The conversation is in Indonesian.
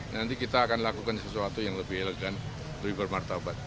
nanti kita akan lakukan sesuatu yang lebih elegan lebih bermartabat